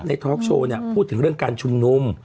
ในท็อกโชว์เนี่ยพูดถึงเรื่องการชุมนุม